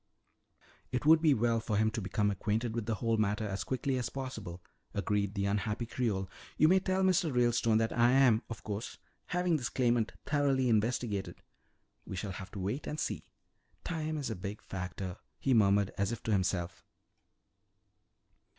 "It would be well for him to become acquainted with the whole matter as quickly as possible," agreed the unhappy Creole. "You may tell Mr. Ralestone that I am, of course, having this claimant thoroughly investigated. We shall have to wait and see. Time is a big factor," he murmured as if to himself.